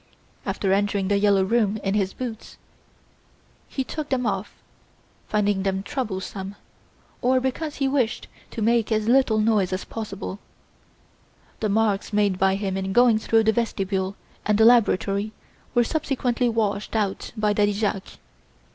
After entering "The Yellow Room" in his boots, he took them off, finding them troublesome, or because he wished to make as little noise as possible. The marks made by him in going through the vestibule and the laboratory were subsequently washed out by Daddy Jacques.